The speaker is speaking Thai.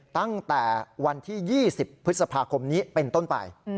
ตั้งแต่วันที่๒๐พฤษภาคมนี้เป็นต้นไป